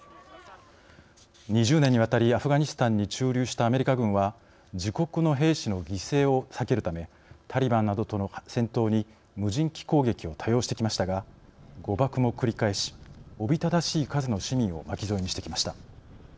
２０年にわたりアフガニスタンに駐留したアメリカ軍は自国の兵士の犠牲を避けるためタリバンなどとの戦闘に無人機攻撃を多用してきましたが誤爆も繰り返しおびただしい数の市民を巻き添えにしてきました。